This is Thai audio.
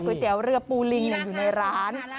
เตี๋ยวเรือปูลิงอยู่ในร้าน